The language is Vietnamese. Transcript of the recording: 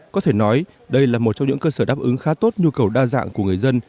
có thể nói đây là một trong những cơ sở đáp ứng khá tốt nhu cầu đa dạng của người dân